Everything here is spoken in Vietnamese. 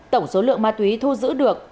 tổng số lượng ma túy thu giữ được